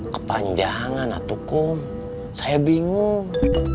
kepanjangan atukum saya bingung